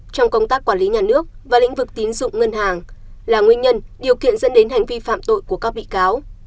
trong công tác quản lý nhà nước và lĩnh vực tín dụng ngân hàng là nguyên nhân điều kiện dẫn đến hành vi phạm tội của các bị cáo